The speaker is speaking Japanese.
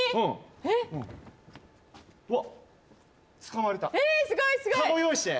えっ？